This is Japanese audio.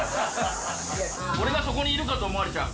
俺がそこにいるかと思われちゃう。